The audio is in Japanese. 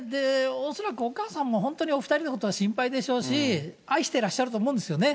恐らくお母さんも本当にお２人のことは心配でしょうし、愛してらっしゃると思うんですよね。